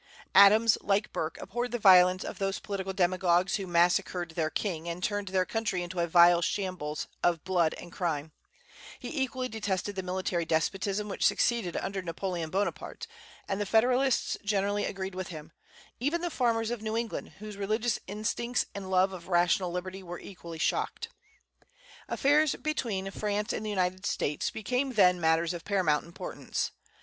Adams, like Burke, abhorred the violence of those political demagogues who massacred their king and turned their country into a vile shambles of blood and crime; he equally detested the military despotism which succeeded under Napoleon Bonaparte; and the Federalists generally agreed with him, even the farmers of New England, whose religious instincts and love of rational liberty were equally shocked. Affairs between France and the United States became then matters of paramount importance.